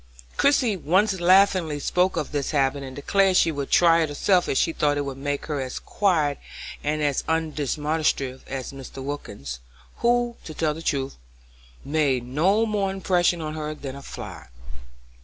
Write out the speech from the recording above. Christie once laughingly spoke of this habit and declared she would try it herself if she thought it would make her as quiet and undemonstrative as Mr. Wilkins, who, to tell the truth, made no more impression on her than a fly.